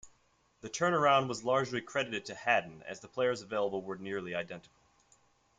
The turnaround was largely credited to Hadden, as the players available were nearly identical.